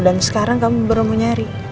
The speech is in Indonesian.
dan sekarang kamu baru mau nyari